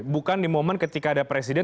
bukan di momen ketika ada presiden